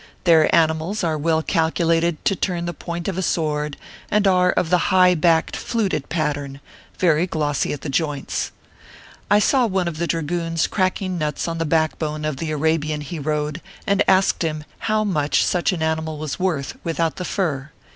Their animals are well calculated to turn the point of a sword, and are of the high backed fluted pattern, very glossy at the joints. I saw one of the dragoons cracking nuts on the backbone of the Arabian he rode, and asked him about how much such an animal was worth without the fur